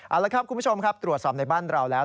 เอาละครับคุณผู้ชมครับตรวจสอบในบ้านเราแล้ว